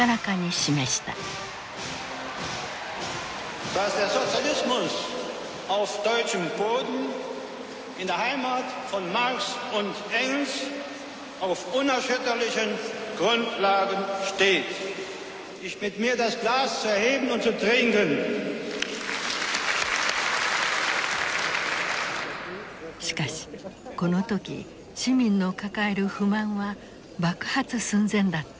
しかしこの時市民の抱える不満は爆発寸前だった。